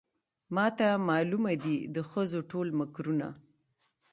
ماته معلومه دي د ښځو ټول مکرونه